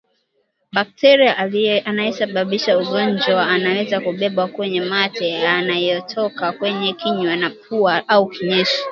Bakteria anayesababisha ugonjwa anaweza kubebwa kwenye mate yanayotoka kwenye kinywa na pua au kinyesi